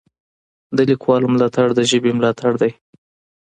د لیکوالو ملاتړ د ژبې ملاتړ دی.